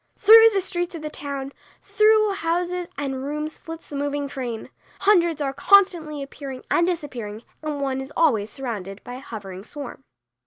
Through the streets of the town, through houses and rooms flits the moving train. Hundreds are constantly appearing and disappearing and one is always surrounded by a hovering swarm.